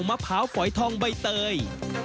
มะพร้าวฝอยทองใบเตย